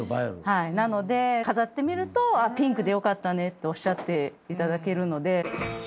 なので飾ってみるとピンクでよかったねとおっしゃって頂けるので。